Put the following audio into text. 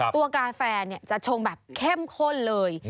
กาแฟจะชงแบบเข้มข้นเลย